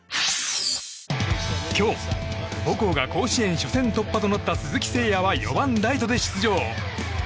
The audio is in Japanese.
今日、母校が甲子園初戦突破となった鈴木誠也は４番、代打で出場。